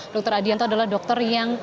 dr adianto adalah dokter yang